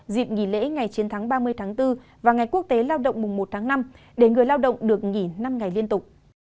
dịp nghỉ lễ ngày chiến thắng ba mươi tháng bốn và ngày quốc tế lao động mùng một tháng năm để người lao động được nghỉ năm ngày liên tục